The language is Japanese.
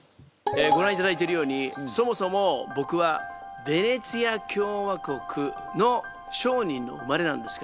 ごらんいただいてるようにそもそも僕はベネチア共和国の商人の生まれなんですけども。